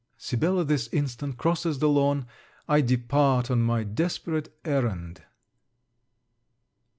Sibella this instant crosses the lawn, I depart on my desperate errand.